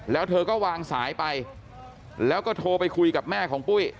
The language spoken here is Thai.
แล้วเธอก็วางสายไปแล้วก็โทรไปคุยกับแม่ของปุ้ย